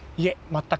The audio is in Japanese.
全く。